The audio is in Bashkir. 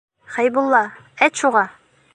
Хәйбулла, әйт шуға!